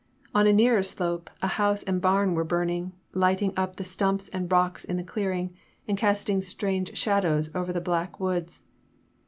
On a nearer slope a house and bam were burning, lighting up the stumps and rocks in the clearing, and casting strange shadows over the black woods.